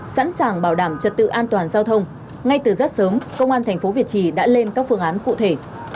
sẵn sàng bảo đảm trật tự an toàn giao thông ngay từ rất sớm công an thành phố việt trì đã lên các phương án cụ thể